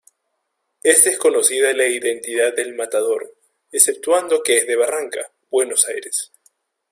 Es desconocida la identidad del Matador, exceptuando que es de Barracas, Buenos Aires.